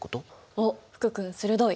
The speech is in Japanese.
おっ福君鋭い！